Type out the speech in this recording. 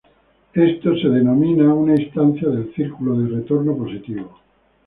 Esto es denominado una instancia del círculo de retorno positivo.